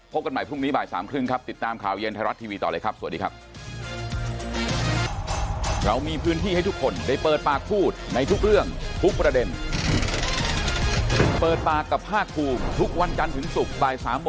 กันใหม่พรุ่งนี้บ่ายสามครึ่งครับติดตามข่าวเย็นไทยรัฐทีวีต่อเลยครับสวัสดีครับ